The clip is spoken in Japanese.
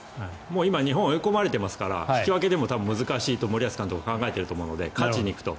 今、日本は追い込まれていますから引き分けでも難しいと森保監督は考えていると思うので勝ちに行くと。